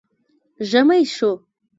ژمی شو